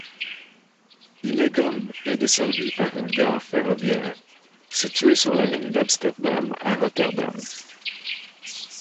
Hillegom est desservie par une gare ferroviaire, située sur la ligne d'Amsterdam à Rotterdam.